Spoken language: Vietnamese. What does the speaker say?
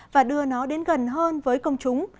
và đưa nó đến gần hơn với công chúng